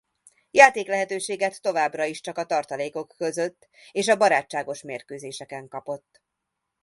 Játéklehetőséget továbbra is csak a tartalékok között és a barátságos mérkőzéseken kapott.